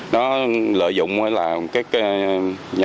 nó lợi dụng là